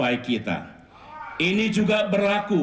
akan kita kejar sampai ke ujung dunia manapun